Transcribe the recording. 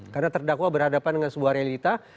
karena terdakwa berhadapan dengan sebuah realita